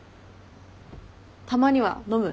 たまには飲む？